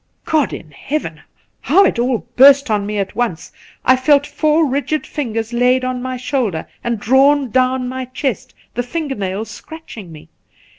God in heaven ! how it all burst on me at once ! I felt four rigid fingers laid on my shoulder and drawn down my chest, the finger nails scratching me.